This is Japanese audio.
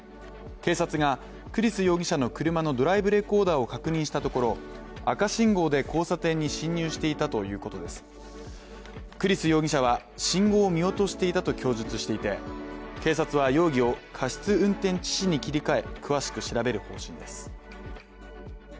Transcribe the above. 警察が、栗栖容疑者の車のドライブレコーダーを確認したところ赤信号で交差点に進入していたということです栗栖容疑者は信号を見落としていたと供述していて、警察は容疑を、過失運転致死に切り替え詳しく調べる方針です。